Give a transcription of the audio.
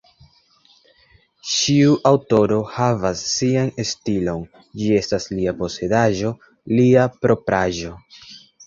Ĉiu aŭtoro havas sian stilon, ĝi estas lia posedaĵo, lia propraĵo.